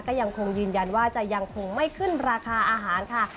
ก็ยังคงยืนยันว่าจะยังคงไม่ขึ้นราคาอาหารค่ะ